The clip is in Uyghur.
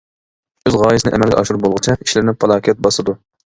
ئۆز غايىسىنى ئەمەلگە ئاشۇرۇپ بولغۇچە ئىشلىرىنى پالاكەت باسىدۇ.